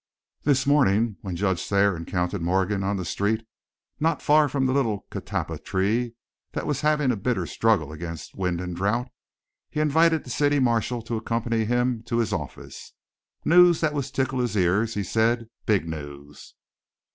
This morning when Judge Thayer encountered Morgan on the street, not far from the little catalpa tree that was having a bitter struggle against wind and drouth, he invited the city marshal to accompany him to his office. News that would tickle his ears, he said; big news.